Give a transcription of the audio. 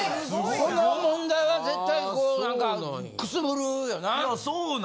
この問題は絶対何かくすぶるよな。